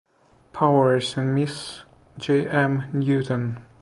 Powers and Miss J. M. Newton.